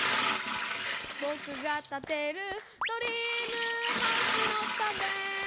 「ぼくがたてるドリームハウスのため」